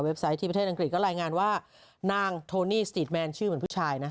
ไซต์ที่ประเทศอังกฤษก็รายงานว่านางโทนี่สตีทแมนชื่อเหมือนผู้ชายนะ